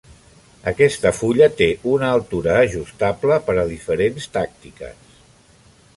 Aquesta fulla té una altura ajustable per a diferents tàctiques.